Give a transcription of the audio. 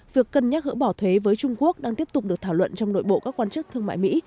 việc cân nhắc gỡ bỏ thuế với trung quốc đang tiếp tục được thảo luận trong nội bộ các quan chức thương mại mỹ